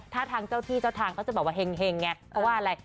ถ้าทางเจ้าพี่เจ้าทางก็จะบอกว่าเฮ็งเนี่ย